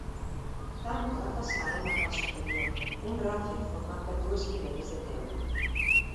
Tanca la façana en la part superior, un ràfec format per dues fileres de teula.